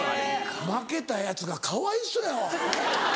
負けたヤツがかわいそうやわ。